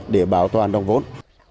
để bảo toàn đồng vốn